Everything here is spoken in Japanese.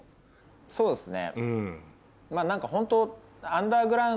そうですね。